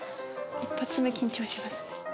一発目緊張しますね。